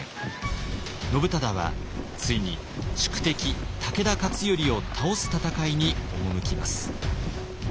信忠はついに宿敵武田勝頼を倒す戦いに赴きます。